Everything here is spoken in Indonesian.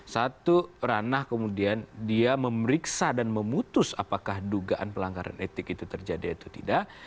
satu ranah kemudian dia memeriksa dan memutus apakah dugaan pelanggaran etik itu terjadi atau tidak